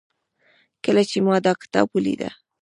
کله چې ما دا کتاب وليده